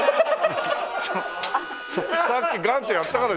さっきガンッてやったからじゃない？